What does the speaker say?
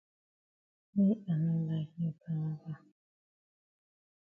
Me I no like me palava.